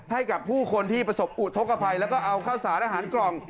ให้กับผู้คนที่ประสบอุทธกภัยแล้วก็เอาข้าวสารอาหารกล่อง